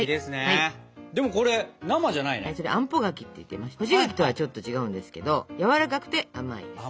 はいそれあんぽ柿っていって干し柿とはちょっと違うんですけどやわらかくて甘いんですね。